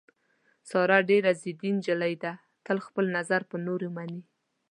ساره ډېره ضدي نجیلۍ ده، تل خپل نظر په نورو مني.